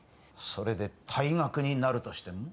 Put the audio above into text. それで退学になるとしても？